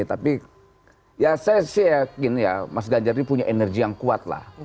tapi ya saya sih yakin ya mas ganjar ini punya energi yang kuat lah